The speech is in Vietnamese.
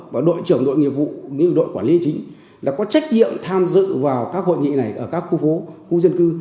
và đội trưởng đội nghiệp vụ như đội quản lý chính là có trách nhiệm tham dự vào các hội nghị này ở các khu phố khu dân cư